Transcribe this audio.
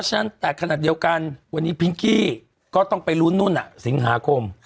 แต่ต้องรายงานตัวทุกเดือนหรือทุกอาทิตย์ค่ะ